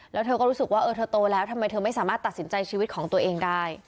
แล้วเธอก็รู้สึกว่าเออเธอโตแล้วทำไมเธอไม่สามารถตัดสินใจชีวิตของตัวเองได้